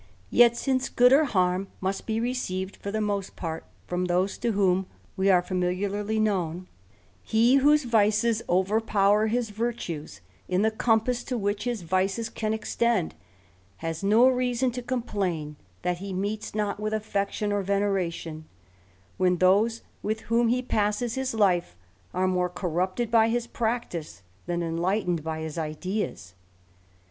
Yet since good or harm must be received for the most Jart from those to whom we are familiarly known, he whose ■rices overpower his virtues, in the compass to which his ■vices can extend, has no reason to complain that he meets not with affection or veneration, when those with whom he passes his life are more corrupted by his practice than enlightened by his ideas.